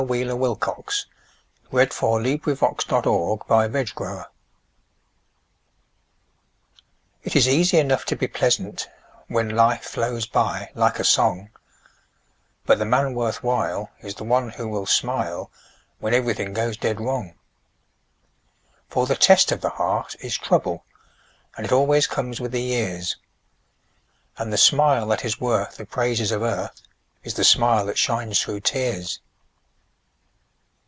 122040Poems of Cheer — Worth while1914Ella Wheeler Wilcox It is easy enough to be pleasant When life flows by like a song, But the man worth while is the one who will smile When everything goes dead wrong. For the test of the heart is trouble, And it always comes with the years, And the smile that is worth the praises of earth Is the smile that shines through tears.